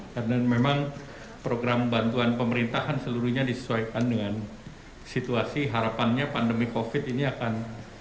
karena memang program bantuan pemerintahan seluruhnya disesuaikan dengan situasi harapannya pandemi covid ini akan